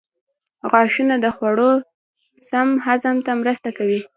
غاښونه د خوړو سم هضم ته مرسته کوي.